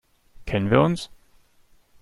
Kennen wir uns?